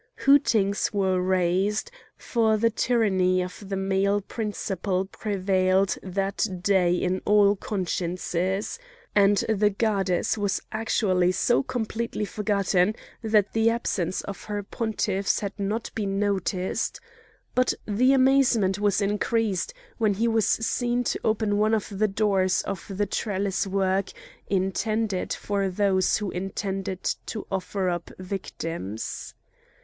Hootings were raised, for the tyranny of the male principle prevailed that day in all consciences, and the goddess was actually so completely forgotten that the absence of her pontiffs had not been noticed. But the amazement was increased when he was seen to open one of the doors of the trellis work intended for those who intended to offer up victims.